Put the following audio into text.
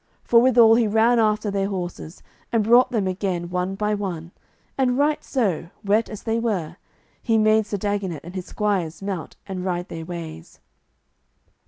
Forthwithal he ran after their horses, and brought them again one by one, and right so, wet as they were, he made Sir Dagonet and his squires mount and ride their ways.